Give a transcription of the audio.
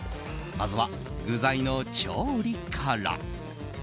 まずは具材の調理から。